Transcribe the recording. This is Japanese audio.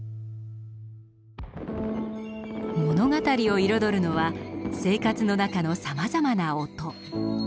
物語を彩るのは生活の中のさまざまな音。